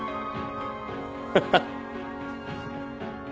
ハハッ。